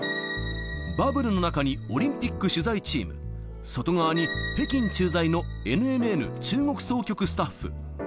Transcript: バブルの中にオリンピック取材チーム、外側に北京駐在のＮＮＮ中国総局スタッフ。